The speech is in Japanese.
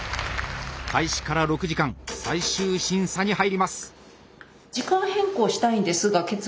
開始から６時間最終審査に入ります。